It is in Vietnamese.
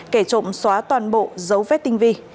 kẻ trộm xóa toàn bộ giấu vết tinh vi